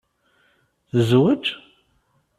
Tezweǧ?